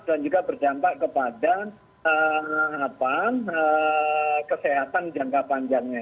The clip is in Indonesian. dan juga berjantak kepada kesehatan jangka panjangnya